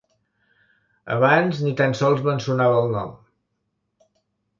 Abans ni tan sols me'n sonava el nom.